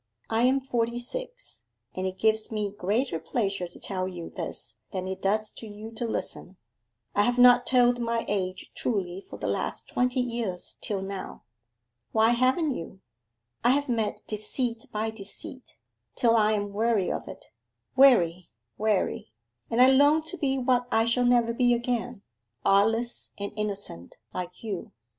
I am forty six; and it gives me greater pleasure to tell you this than it does to you to listen. I have not told my age truly for the last twenty years till now.' 'Why haven't you?' 'I have met deceit by deceit, till I am weary of it weary, weary and I long to be what I shall never be again artless and innocent, like you.